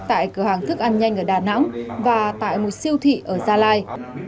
tại cửa hàng thức ăn nhanh ở đà nẵng và tại một siêu thị ở gia lai